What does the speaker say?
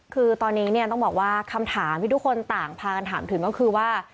คือตอนนี้เนี่ยต้องบอกว่าคำถามที่ทุกคนต่างพากันถามถึงก็คือว่า